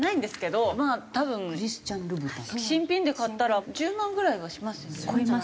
多分新品で買ったら１０万ぐらいはしますよね。